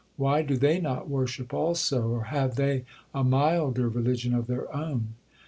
Why do they not worship also; or have they a milder religion of their own?'